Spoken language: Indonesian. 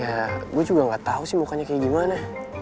ya gue juga gak tau sih mukanya kayak gimana